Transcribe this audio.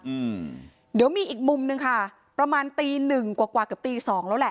อืมเดี๋ยวมีอีกมุมหนึ่งค่ะประมาณตีหนึ่งกว่ากว่าเกือบตีสองแล้วแหละ